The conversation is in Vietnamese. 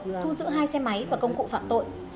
thu giữ hai xe máy và công cụ phạm tội